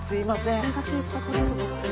お見かけしたこととか。